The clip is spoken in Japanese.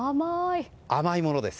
甘いものです。